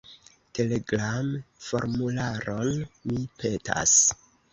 Telegram-formularon, mi petas.